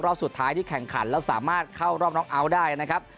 รอบสุดท้ายที่แข่งขันแล้วสามารถเข้ารอบน้องเอาท์ได้นะครับ